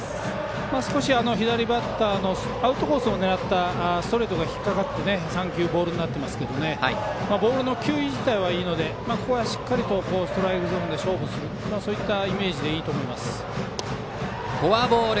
少し左バッターのアウトコースを狙ったストレートが引っかかって３球ボールになっていますがボールの球威自体はいいのでここはしっかりとストライクゾーンで勝負するイメージでフォアボール。